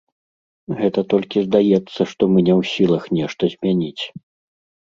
Гэта толькі здаецца, што мы не ў сілах нешта змяніць.